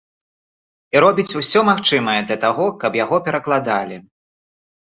І робіць усё магчымае для таго, каб яго перакладалі.